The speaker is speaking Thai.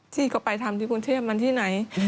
ที่ก็ไปทำที่กรุงเทพมันที่ไหน